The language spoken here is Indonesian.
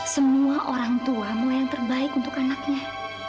semua orang tua mau yang terbaik untuk anaknya